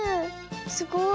すごい。